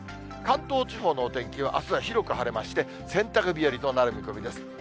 関東地方のお天気は、あすは広く晴れまして、洗濯日和となる見込みです。